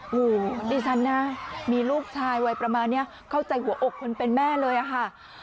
โอ้โหดิฉันนะมีลูกชายวัยประมาณนี้เข้าใจหัวอกคนเป็นแม่เลยอะค่ะ